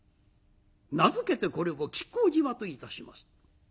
名付けてこれを亀甲縞といたします。